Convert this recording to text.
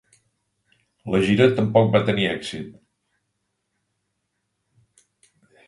La gira tampoc va tenir èxit.